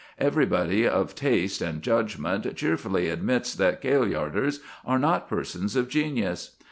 Everybody of taste and judgment cheerfully admits that Kailyarders are not persons of genius.